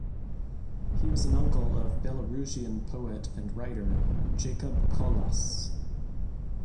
He was an uncle of Belarusian poet and writer Jakub Kolas.